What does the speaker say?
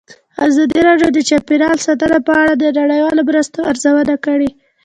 ازادي راډیو د چاپیریال ساتنه په اړه د نړیوالو مرستو ارزونه کړې.